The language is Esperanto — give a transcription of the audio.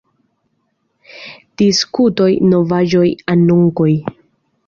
Diskutoj, Novaĵoj, Anoncoj.